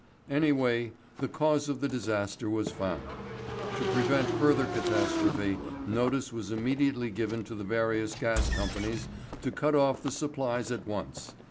Anyway, the cause of the disaster was found. To prevent further catastrophe notice was immediately given to the various gas companies to cut off the supplies at once.